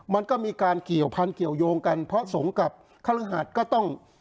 มันก็มีการเกี่ยวพันธุเกี่ยวยงกันเพราะสงฆ์กับคฤหาสก็ต้อง